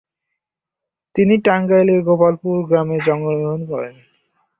তিনি টাঙ্গাইলের গোপালপুর গ্রামে জন্মগ্রহণ করেন।